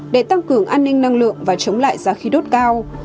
để tăng cường an ninh năng lượng và chống lại giá khí đốt cao